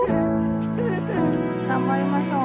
頑張りましょう。